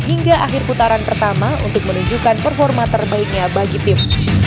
hingga akhir putaran pertama untuk menunjukkan performa terbaiknya bagi tim